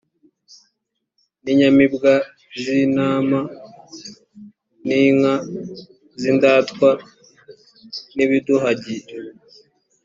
n inyamibwa z intama n inka z indatwa n ibiduhagire